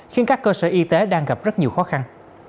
khiến các cơ sở y tế đang gặp rất nhiều khó khăn